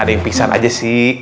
ada yang pingsan aja sih